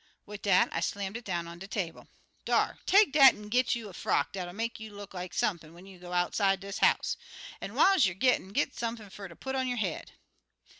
Wid dat I slammed it down on de table. 'Dar! take dat an' git you a frock dat'll make you look like sump'n when you git outside er dis house. An' whiles you er gittin', git sump'n for ter put on yo' head!'"